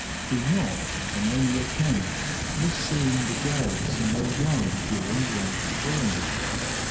Do not, on any account, miss seeing the gulls and their young during late spring.